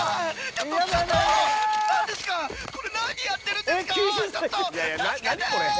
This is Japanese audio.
ちょっと助けて！